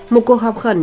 một cuộc họp khẩn